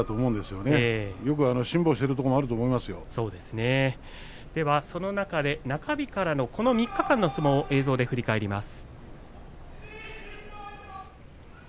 よく辛抱しているところもその中で中日からのこの３日間の相撲を振り返ります。